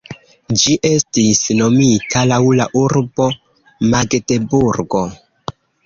Ĝi estis nomita laŭ la urbo Magdeburgo.